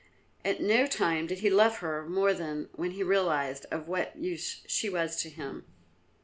At no time did he love her more than when he realised of what use she was to him.